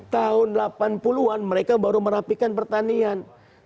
tahun delapan puluh an mereka baru merapikan pertanian